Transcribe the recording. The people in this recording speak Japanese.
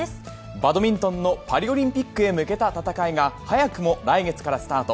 バドミントンのパリオリンピックへ向けた戦いが、早くも来月からスタート。